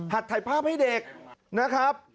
ถ่ายภาพให้เด็กนะครับ